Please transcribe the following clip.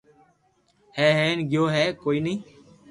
ھي ھين گيو ھي ڪوئي ني